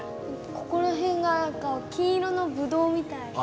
ここら辺が金色のブドウみたい。